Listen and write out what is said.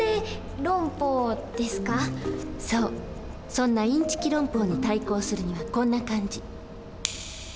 そんなインチキ論法に対抗するにはこんな感じ。